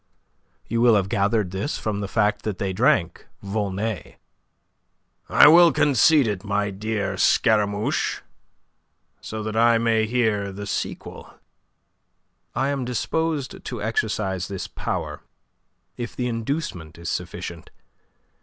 You will have gathered this from the fact that they drank Volnay. "I will concede it, my dear Scaramouche, so that I may hear the sequel." "I am disposed to exercise this power if the inducement is sufficient.